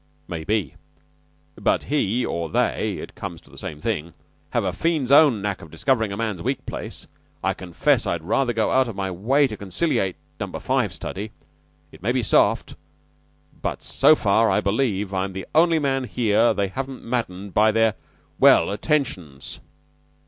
"May be; but he, or they it comes to to same thing have the fiend's own knack of discovering a man's weak place. I confess I rather go out of my way to conciliate Number Five study. It may be soft, but so far, I believe, I am the only man here whom they haven't maddened by their well attentions."